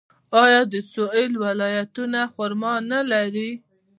آیا د سویل ولایتونه خرما نلري؟